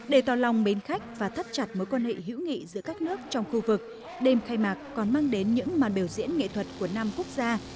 để tỏ lòng mến khách và thắt chặt mối quan hệ hữu nghị giữa các nước trong khu vực đêm khai mạc còn mang đến những màn biểu diễn nghệ thuật của năm quốc gia